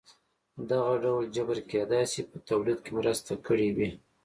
دغه ډول جبر کېدای شي په تولید کې مرسته کړې وي.